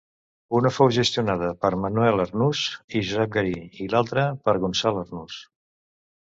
Una fou gestionada per Manuel Arnús i Josep Garí i l'altra per Gonçal Arnús.